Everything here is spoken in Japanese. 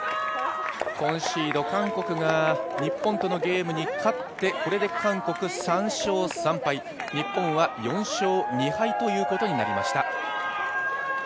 コンシード、韓国が日本のゲームに勝ってこれで韓国は３勝２敗、日本は４勝２敗ということになりました。